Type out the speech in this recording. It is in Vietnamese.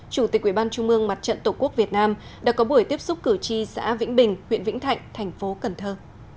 chủ tịch quỹ ban trung mương mặt trận tổ quốc việt nam đã có buổi tiếp xúc cử tri xã vĩnh bình huyện vĩnh thạnh thành phố cần thơ